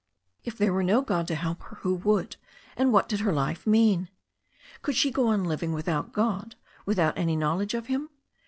If there were no God to help her, who would, and what did her life mean? Could she go on living without God, without any knowledge of Him?